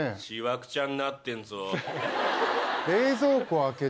しわくちゃになってんぞ。